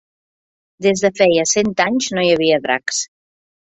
Des de feia cent anys no hi havia dracs.